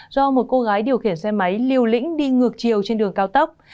do một cô gái điều khiển xe máy liều lĩnh đi ngược chiều trên đường cao tốc